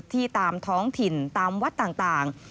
ที่ตามท้องถิ่นตามวัดต่าง